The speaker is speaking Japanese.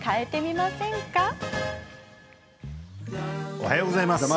おはようございます。